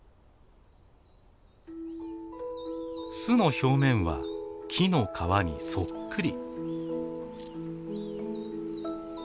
巣の表面は木の皮にそっくり。